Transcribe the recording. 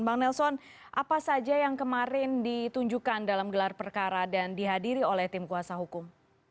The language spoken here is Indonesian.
bang nelson apa saja yang kemarin ditunjukkan dalam gelar perkara dan dihadiri oleh tim kuasa hukum